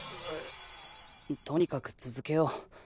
とにかく続けよう。